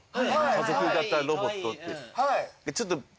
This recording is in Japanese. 家族型ロボットって。